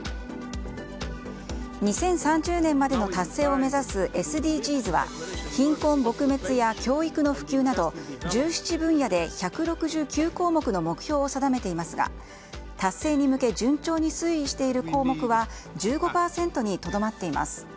２０３０年までの達成を目指すＳＤＧｓは貧困撲滅や教育の普及など１７分野で１６９項目の目標を定めていますが達成に向け順調に推移している項目は１５％にとどまっています。